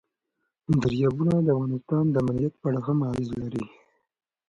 دریابونه د افغانستان د امنیت په اړه هم اغېز لري.